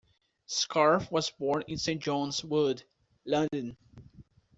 Scarfe was born in Saint John's Wood, London.